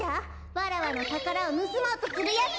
わらわのたからをぬすもうとするやつは！